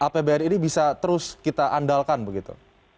apbn ini bisa terus kita andalkan begitu